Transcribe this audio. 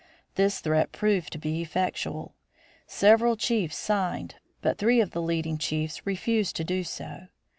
This threat proved to be effectual. Several chiefs signed, but three of the leading chiefs refused to do so.